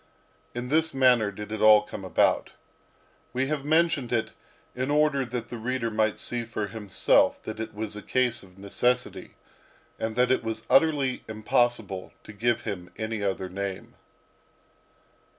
In this manner did it all come about. We have mentioned it in order that the reader might see for himself that it was a case of necessity, and that it was utterly impossible to give him any other name.